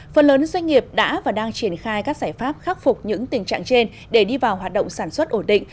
phần lớn doanh nghiệp đã và đang triển khai các giải pháp khắc phục những tình trạng trên để đi vào hoạt động sản xuất ổn định